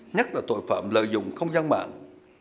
nhất là tội phạm lợi dụng không gian mạng